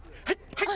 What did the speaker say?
はい！